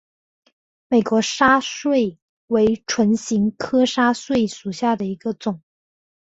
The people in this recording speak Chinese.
美丽沙穗为唇形科沙穗属下的一个种。